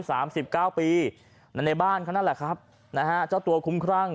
สามสิบเก้าปีในในบ้านเขานั่นแหละครับนะฮะเจ้าตัวคุ้มครั่ง